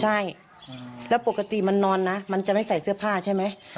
ใช่แล้วปกติมันนอนนะมันจะไม่ใส่เสื้อผ้าใช่ไหม